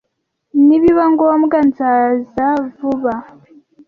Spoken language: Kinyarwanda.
Nibiba ngombwa, nzaza vuba.